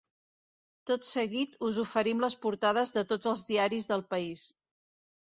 Tot seguit us oferim les portades de tots els diaris del país.